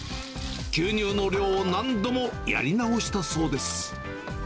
牛乳の量を何度もやり直したそうです。